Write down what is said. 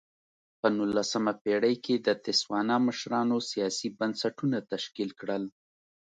په نولسمه پېړۍ کې د تسوانا مشرانو سیاسي بنسټونه تشکیل کړل.